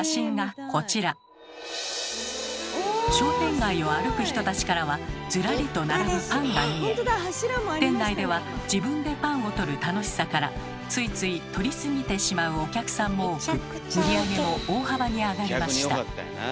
商店街を歩く人たちからはズラリと並ぶパンが見え店内では自分でパンを取る楽しさからついつい取りすぎてしまうお客さんも多く売り上げも大幅に上がりました。